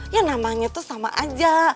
ya namanya tuh sama aja